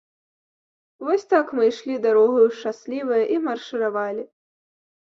Вось так мы ішлі дарогаю шчаслівыя і маршыравалі.